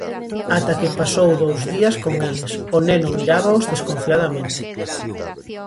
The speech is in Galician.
Ata que pasou dous días con eles, o neno mirábaos desconfiadamente.